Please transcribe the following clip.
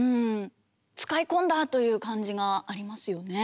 使い込んだという感じがありますよね。